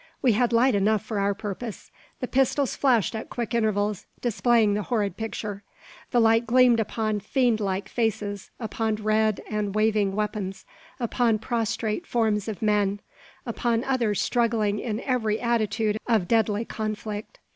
We had light enough for our purpose. The pistols flashed at quick intervals, displaying the horrid picture. The light gleamed upon fiend like faces, upon red and waving weapons, upon prostrate forms of men, upon others struggling in every attitude of deadly conflict!